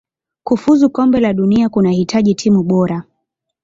kufuzu kombe la dunia kunahitaji timu bora